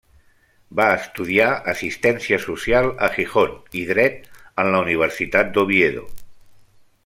Va estudiar Assistència Social a Gijón i Dret en la Universitat d'Oviedo.